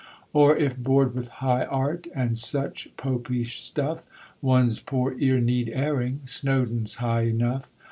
Or, if bored with 'High Art,' And such popish stuff, One's poor ear need airing, Snowdon's high enough.